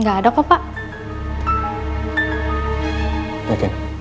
gak ada kok pak